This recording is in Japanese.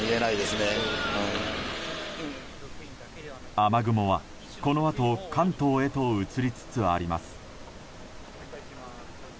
雨雲はこのあと関東へと移りつつあります。